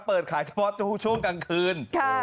เปิดขายทั้งปลาทุช่วงกลางคืน